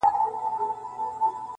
نور به یې شنې پاڼي سمسوري نه وي-